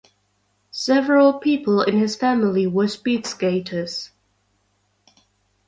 Several people in his family were speed skaters.